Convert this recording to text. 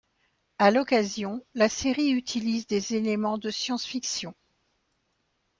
À l'occasion, la série utilise des éléments de science-fiction.